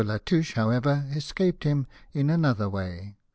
Latouche, however, escaped him in another way.